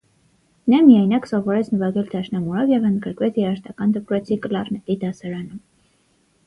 Նա միայնակ սովորեց նվագել դաշնամուրով և ընդգրկվեց երաժշտական դպրոցի կլարնետի դասարանում։